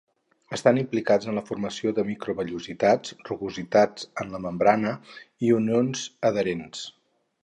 Estan implicats en la formació de microvellositats, rugositats en la membrana i unions adherents.